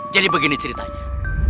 jadi begini ceritanya